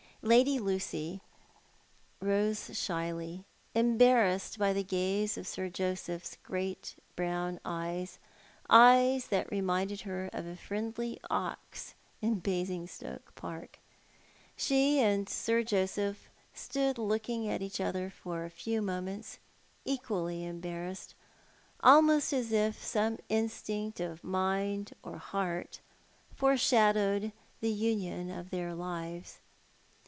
Lady Lucy rose shyly, embarrassed by the gaze of Sir Joseph's great brown eyes, eyes that reminded her of a friendly ox in Basingstoke Park. She and Sir Joseph stood looking at each other for a few moments, equally embarrassed, almost as if some instinct of mind or heart foreshadowed the union of their lives.